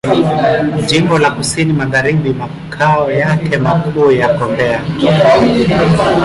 Jimbo la Kusini Magharibi Makao yake makuu yako Mbeya.